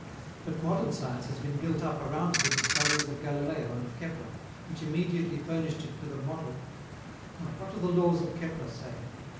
But modern science has been built up around the discoveries of Galileo and of Kepler, which immediately furnished it with a model. Now, what do the laws of Kepler say?